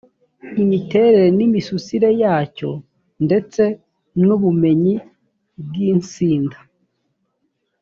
imiterere n’imisusire yacyo ndetse n’ubumenyi bw’insinda